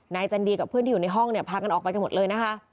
จันดีกับเพื่อนที่อยู่ในห้องเนี่ยพากันออกไปกันหมดเลยนะคะ